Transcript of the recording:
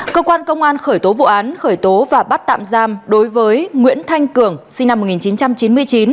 cơ quan công an khởi tố vụ án khởi tố và bắt tạm giam đối với nguyễn thanh cường sinh năm một nghìn chín trăm chín mươi chín